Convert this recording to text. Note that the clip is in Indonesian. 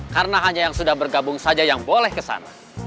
karena hanya yang sudah bergabung saja yang boleh kesana